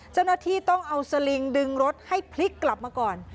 เจ้าหน้าที่ต้องเอาสลิงดึงรถให้พลิกกลับมาก่อน